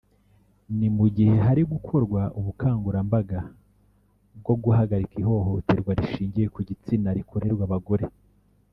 ni mu gihe hari gukorwa ubukangurambaga bwo guhagarika ihohoterwa rishingiye ku gitsina rikorerwa abagore